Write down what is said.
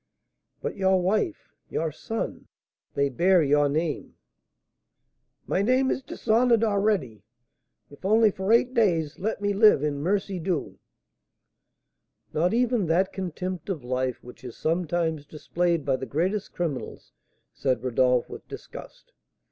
"But your wife your son they bear your name " "My name is dishonoured already. If only for eight days, let me live! in mercy do!" "Not even that contempt of life which is sometimes displayed by the greatest criminals!" said Rodolph, with disgust.